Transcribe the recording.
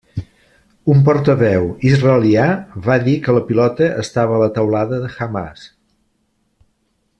Un portaveu israelià va dir que la 'pilota estava a la teulada de Hamàs'.